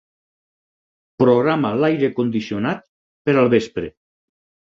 Programa l'aire condicionat per al vespre.